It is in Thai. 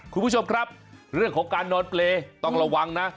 คุณผู้ชมครับเรื่องของการนอนเปรย์ต้องระวังนะ